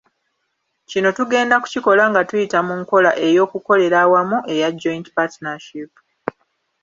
Kino tugenda kukikola nga tuyita mu nkola ey’okukolera awamu eya Joint Partnership.